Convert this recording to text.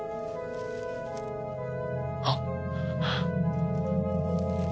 あっ！